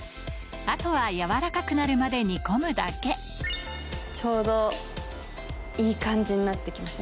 あとはやわらかくなるまで煮込むだけちょうどいい感じになって来ました。